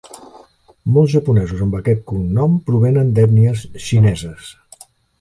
Molts japonesos amb aquest cognom provenen d'ètnies xineses.